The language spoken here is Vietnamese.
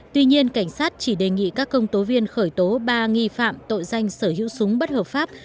tuy nhiên cảnh sát chỉ đề nghị các công tố viên khởi tố ba nghi phạm tội danh sở hữu súng bất hợp pháp